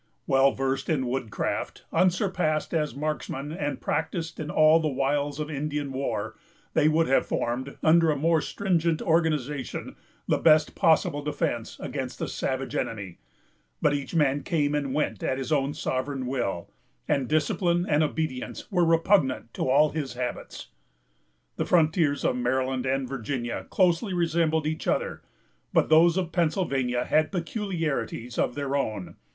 Well versed in woodcraft, unsurpassed as marksmen, and practised in all the wiles of Indian war, they would have formed, under a more stringent organization, the best possible defence against a savage enemy; but each man came and went at his own sovereign will, and discipline and obedience were repugnant to all his habits. The frontiers of Maryland and Virginia closely resembled each other; but those of Pennsylvania had peculiarities of their own.